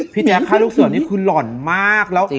พี่แจ๊คไข้ลูกเสือนี่คุณหล่อนมาก